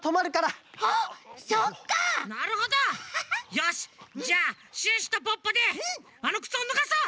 よしじゃあシュッシュとポッポであのくつをぬがそう！